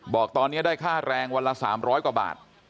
บอกตอนนี้ได้ค่าแรงวันละ๓๐๐กว่าบาท